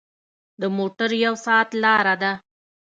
د موټر یو ساعت لاره ده.